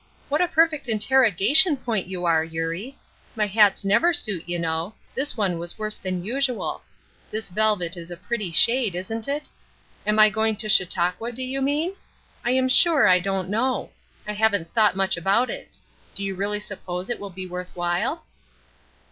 What a perfect interrogation point you are, Eurie. My hats never suit, you know; this one was worse than usual. This velvet is a pretty shade, isn't it? Am I going to Chautauqua, do you mean? I am sure I don't know. I haven't thought much about it. Do you really suppose it will be worth while?"